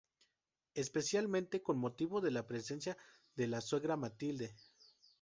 Especialmente con motivo de la presencia de la suegra "Matilde".